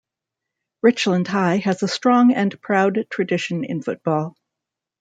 Richland High has a strong and proud tradition in football.